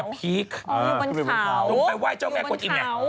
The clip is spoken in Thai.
อยู่บนเขาตรงไปไหว้เจ้าแม่กดอินแหละ